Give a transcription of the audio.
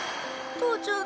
父ちゃん！